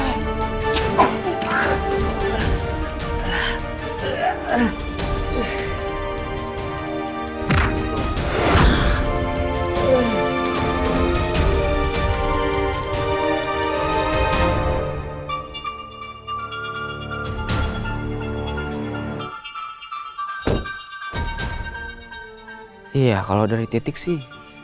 iya kalau dari titik sih